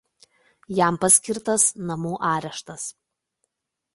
Jam paskirtas namų areštas.